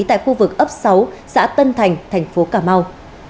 tại khu vực ấp sáu xã tân thành tp ca mau